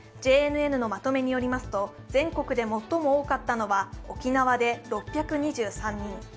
ＪＮＮのまとめによりますと、全国で最も多かったのが沖縄で６２３人、